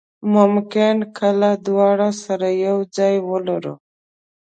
ممکن کله دواړه سره یو ځای ولرو.